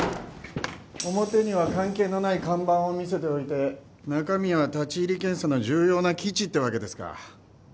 表には関係のない看板を見せておいて中身は立入検査の重要な基地ってわけですか。